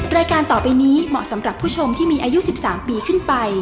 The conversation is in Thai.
รายการต่อไปนี้เหมาะสำหรับผู้ชมที่มีอายุ๑๓ปีขึ้นไป